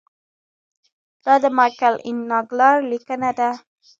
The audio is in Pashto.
دا د مایکل این ناګلر لیکنه ده.